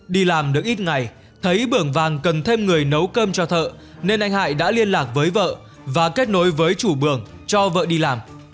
đi làm được ít ngày thấy bường vàng cần thêm người nấu cơm cho thợ nên anh hải đã liên lạc với vợ và kết nối với chủ bường cho vợ đi làm